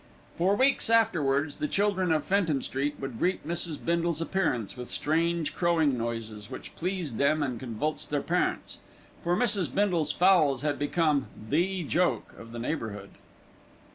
For weeks afterwards, the children of Fenton Street would greet Mrs. Bindle's appearance with strange crowing noises, which pleased them and convulsed their parents; for Mrs. Bindle's fowls had become the joke of the neighbourhood.